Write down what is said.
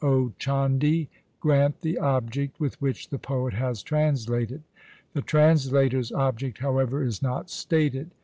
O Chandi, grant the object with which the poet has translated.' The translator's object, however, is not stated.